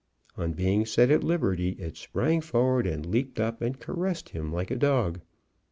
On being set at liberty it sprang forward, and leaped up and caressed him like a dog.